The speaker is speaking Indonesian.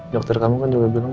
dokter kamu kan juga bilang